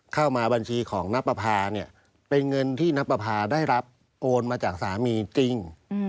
เข้ามาบัญชีของนับประพาเนี่ยเป็นเงินที่นับประพาได้รับโอนมาจากสามีจริง